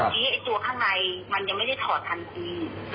ทีนี้ไอ้ตัวข้างในมันยังไม่ได้ถอดทันที